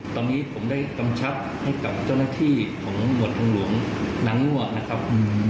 ตอนนี้ผมได้กำชับให้กับเจ้าหน้าที่ของหมวดทางหลวงนางงวกนะครับ